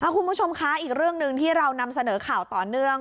คุณผู้ชมคะอีกเรื่องหนึ่งที่เรานำเสนอข่าวต่อเนื่อง